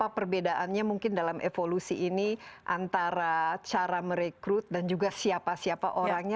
apa perbedaannya mungkin dalam evolusi ini antara cara merekrut dan juga siapa siapa orangnya